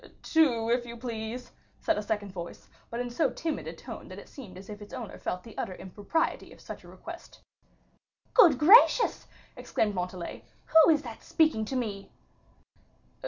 "Two, if you please," said a second voice, but in so timid a tone that it seemed as if its owner felt the utter impropriety of such a request. "Good gracious!" exclaimed Montalais, "who is that speaking to me?"